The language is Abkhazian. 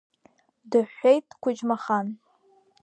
Дыҳәҳәеит Қәыџьмахан.